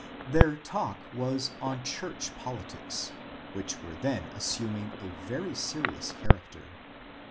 Their talk was on church politics, which were then assuming a very serious character.